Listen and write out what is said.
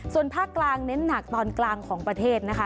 ส่วนภาคกลางเน้นหนักตอนกลางของประเทศนะคะ